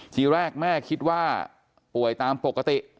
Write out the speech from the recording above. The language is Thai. ทีแรกแม่คิดว่าป่วยตามปกติ